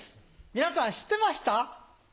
皆さん知ってました？